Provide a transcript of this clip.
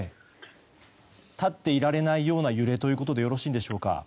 立っていられないような揺れということでよろしいでしょうか。